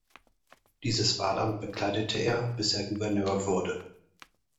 Dieses Wahlamt bekleidete er, bis er Gouverneur wurde.